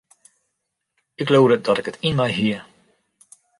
Ik leaude dat ik it yn my hie.